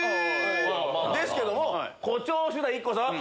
ですけども誇張したＩＫＫＯさんは。